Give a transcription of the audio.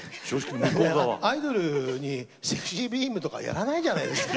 アイドルに「ＳＥＸＹビーム」とかやらないじゃないですか。